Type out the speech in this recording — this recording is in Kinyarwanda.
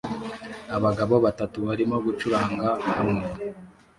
Abagabo batatu barimo gucuranga hamwe